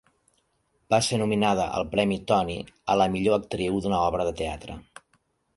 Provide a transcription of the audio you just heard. Va ser nominada al premi Tony a al millor actriu d'una obra de teatre.